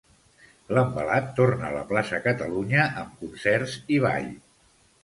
L'Envelat torna a la plaça Catalunya, amb concerts i ball.